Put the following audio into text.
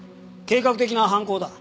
計画的な犯行だ。